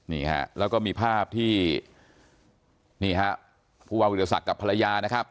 นี่ฮะแล้วก็มีภาพที่นี่ฮะผู้ว่าวิทยาศักดิ์กับภรรยานะครับ